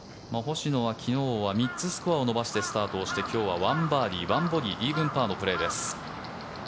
星野は昨日は３つスコアを伸ばしてスタートをして今日は１バーディー１ボギーイーブンパーのプレーです。